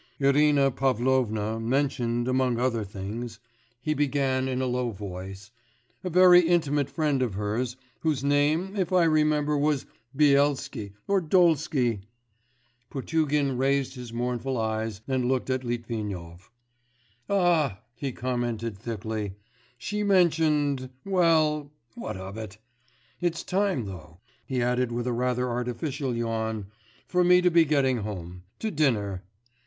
'Irina Pavlovna mentioned among other things,' he began in a low voice, 'a very intimate friend of hers, whose name if I remember was Byelsky, or Dolsky....' Potugin raised his mournful eyes and looked at Litvinov. 'Ah!' he commented thickly.... 'She mentioned ... well, what of it? It's time, though,' he added with a rather artificial yawn, 'for me to be getting home to dinner.